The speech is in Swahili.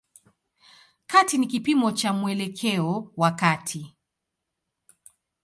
Kati ni kipimo cha mwelekeo wa kati.